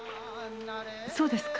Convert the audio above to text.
そうですか。